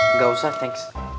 enggak usah thanks